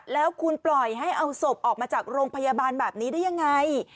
แล้วคุณปล่อยให้เอาศพออกมาจากโรงพยาบาลแบบนี้ได้ยังไง